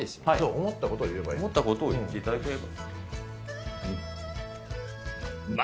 思ったことを言っていただければ。